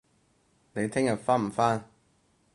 你聽日返唔返